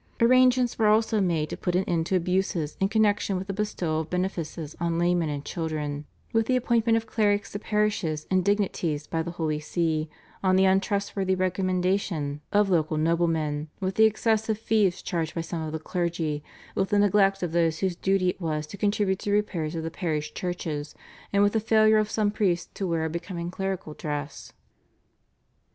Arrangements were also made to put an end to abuses in connexion with the bestowal of benefices on laymen and children, with the appointment of clerics to parishes and dignities by the Holy See on the untrustworthy recommendation of local noblemen, with the excessive fees charged by some of the clergy, with the neglect of those whose duty it was to contribute to the repairs of the parish churches, and with the failure of some priests to wear a becoming clerical dress.